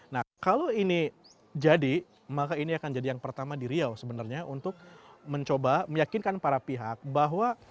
nah kalau ini jadi maka ini akan jadi yang pertama di riau sebenarnya untuk mencoba meyakinkan para pihak bahwa